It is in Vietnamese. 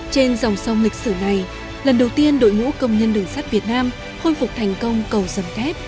trên dòng sông lịch sử này lần đầu tiên đội ngũ công nhân đường sắt việt nam khôi phục thành công cầu dầm kép